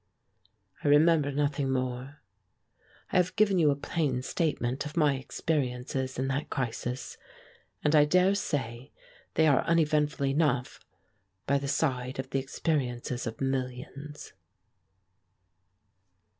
I remember nothing more. I have given you a plain statement of my experiences in that crisis, and I dare say they are uneventful enough by the side of the experiences of millions.